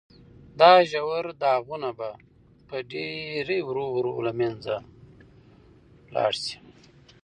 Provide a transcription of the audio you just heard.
دا ژور داغونه به په ډېرې ورو ورو له منځه لاړ شي.